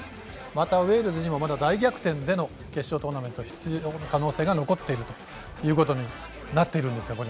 またウェールズにもまだ大逆転での決勝トーナメント進出の可能性が残っていることになるんですよ。